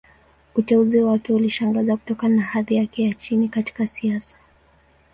Uteuzi wake ulishangaza, kutokana na hadhi yake ya chini katika siasa.